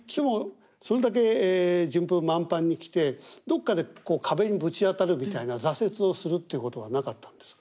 それだけ順風満帆に来てどっかで壁にぶち当たるみたいな挫折をするっていうことはなかったんですか？